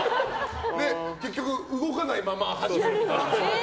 結局動かないまま始める。